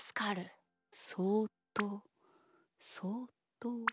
そっとそっと。